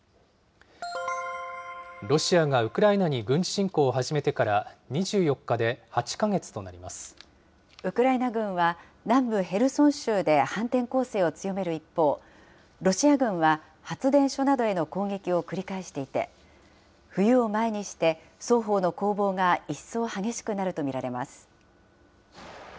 ロシアがウクライナに軍事侵攻を始めてから２４日で８か月となりウクライナ軍は、南部ヘルソン州で反転攻勢を強める一方、ロシア軍は発電所などへの攻撃を繰り返していて、冬を前にして双方の攻防が一層激しくなると見られます。